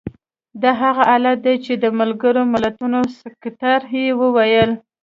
دا هغه حالت دی چې د ملګرو ملتونو سکتر یې وویل.